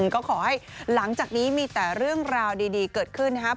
ก็ขอให้หลังจากนี้มีแต่เรื่องราวดีเกิดขึ้นนะครับ